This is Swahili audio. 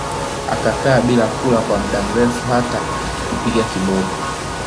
Akakaa bila kula kwa mda mrefu hata akajipiga kiboko